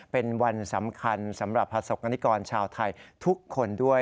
เป็นวันสำคัญสำหรับพระศกกรณิกรชาวไทยทุกคนด้วย